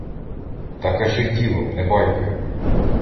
— Та кажи ділом, не байкою.